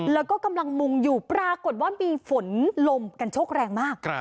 แล้วก็กำลังมุงอยู่ปรากฏว่ามีฝนลมกันโชคแรงมาก